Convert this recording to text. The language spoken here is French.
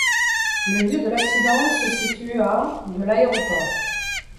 Le lieu de l'accident se situe à de l'aéroport.